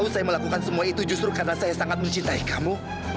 saya melakukan semua itu justru karena saya sangat mencintai kamu